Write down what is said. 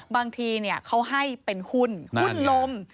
บางทีเขาให้เป็นหุ้นหุ้นลม